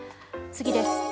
次です。